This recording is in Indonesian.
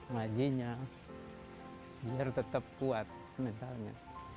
majinya biar tetap kuat mentalnya